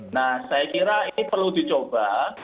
nah saya kira ini perlu dicoba